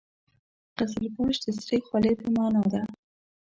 قزلباش د سرې خولۍ په معنا ده.